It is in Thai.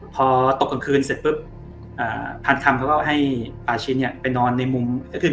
พอตกกล่องคืนพันคอมเค้าก็ให้ป่าชินไปนอนในมุม